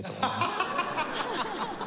ハハハハッ！